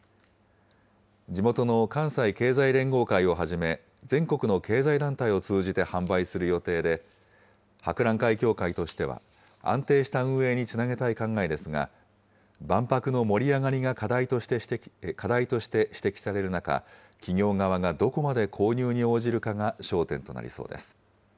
地元の関西経済連合会をはじめ、全国の経済団体を通じて販売する予定で、博覧会協会としては、安定した運営につなげたい考えですが、万博の盛り上がりが課題として指摘される中、企業側がどこまで購入に応じるかが焦点となりそうです。